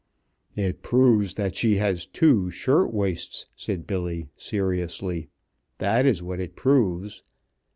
"It proves that she has two shirt waists," said Billy, seriously, "that is what it proves.